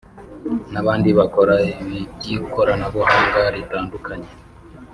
n’abandi bakora iby’ikoranabuhanga ritandukanye